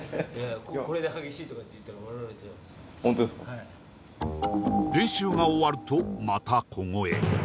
はい練習が終わるとまた小声